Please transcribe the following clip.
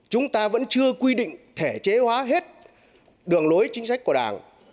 chúng ta vẫn chưa quy định thể chế hóa hết đường lối chính sách của đảng